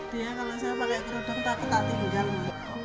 dia kalau saya pakai keruduk takut tak tinggal